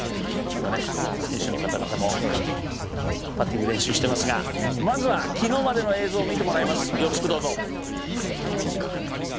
今、選手の方々もパッティング練習していますが、まずは昨日までの映像があります、よろしくどうぞ。